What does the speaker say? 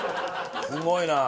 すごいな。